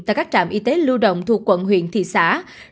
tại các trạm y tế lưu động thuộc quận huyện thị xã